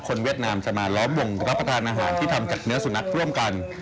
เวียดนามจะมาล้อมวงรับประทานอาหารที่ทำจากเนื้อสุนัขร่วมกัน